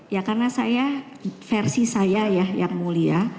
ya karena saya versi saya ya yang mulia